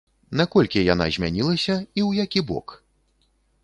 Наколькі яна змянілася, і ў які бок?